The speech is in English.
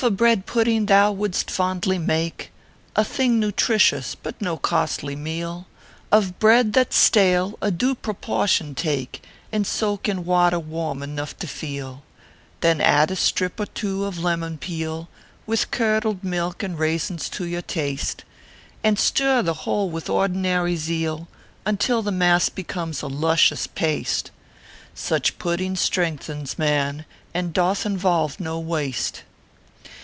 bread pudding thou wouldst fondly make A thing nutritious, but no costly meal Of bread that s stale a due proportion take, And soak in water warm enough to feel ; Then add a strip or two of lemon peel, "With curdled milk and raisins to your taste, And stir the whole with ordinary zeal, Until the mass becomes a luscious paste. Such pudding strengthens man, and doth involve no waste.